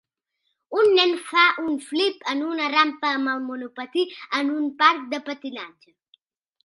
Un nen fa un flip en una rampa amb el monopatí en un parc de patinatge.